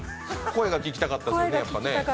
声が聞きたかったです。